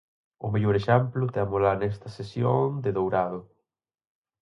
O mellor exemplo témola nesta cesión de Dourado.